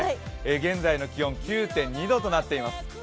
現在の気温９．２度となっています。